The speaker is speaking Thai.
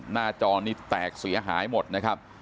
จอนี้แตกเสียหายหมดนะครับ